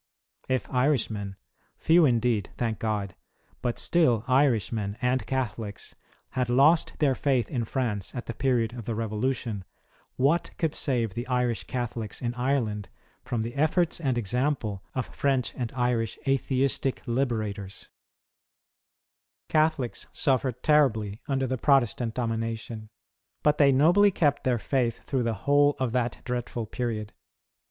If Irishmen, few indeed, thank God, but still Irishmen and Catholics, had lost their fliith in France at the period of the Revolution, what could save the Irish Catholics in Ireland from theefibrts and example of French and Irish Atheistic liberators? 60 WAR OF ANTICHRIST WITH THE CHURCH. Catholics suffered terribly under the Protestant domination, but they nobly kept their faith through the whole of that dreadful period.